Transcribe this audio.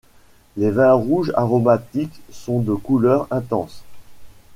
Les vins rouges aromatiques sont de couleur intense.